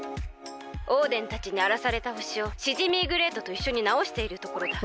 オーデンたちにあらされたほしをシジミーグレイトといっしょになおしているところだ。